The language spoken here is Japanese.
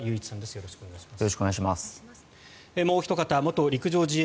よろしくお願いします。